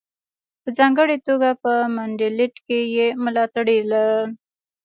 په ځانګړې توګه په منډلینډ کې یې ملاتړي لرل.